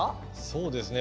そうですね